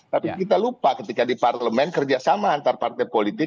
tapi kita lupa ketika di parlemen kerjasama antar partai politik